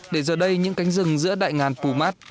để giờ đây những cánh rừng giữa đại ngàn pumat